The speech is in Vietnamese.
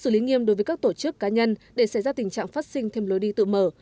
xử lý nghiêm đối với các tổ chức cá nhân để xảy ra tình trạng phát sinh thêm lối đi tự mở